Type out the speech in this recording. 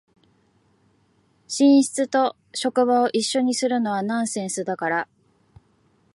寝室と職場を一緒にするのはナンセンスだから